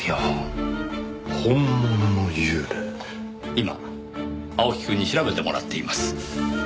今青木くんに調べてもらっています。